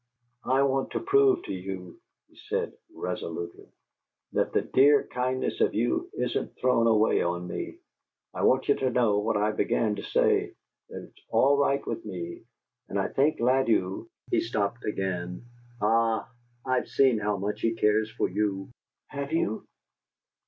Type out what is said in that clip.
"I want to prove to you," he said, resolutely, "that the dear kindness of you isn't thrown away on me; I want you to know what I began to say: that it's all right with me; and I think Ladew " He stopped again. "Ah! I've seen how much he cares for you " "Have you?"